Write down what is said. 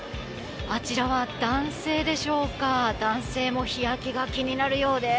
あちらは男性でしょうか男性も日焼けが気になるようです。